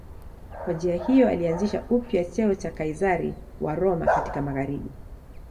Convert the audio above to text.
Kwa njia hiyo alianzisha upya cheo cha Kaizari wa Roma katika magharibi.